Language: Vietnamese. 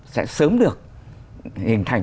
sẽ sớm được hình thành